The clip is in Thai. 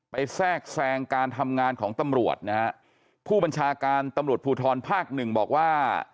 แทรกแทรงการทำงานของตำรวจนะฮะผู้บัญชาการตำรวจภูทรภาคหนึ่งบอกว่า